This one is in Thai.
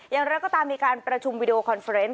อย่างไรก็ตามมีการประชุมวิดีโอคอนเฟรนต